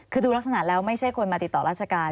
คือดูลักษณะแล้วไม่ใช่คนมาติดต่อราชการ